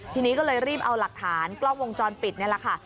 ทีนี้ก็เลยรีบเอาหลักฐานกล้องวงจรปิดนี่แหละค่ะ